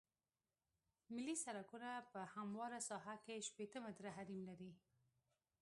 ملي سرکونه په همواره ساحه کې شپیته متره حریم لري